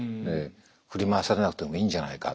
振り回されなくてもいいんじゃないか。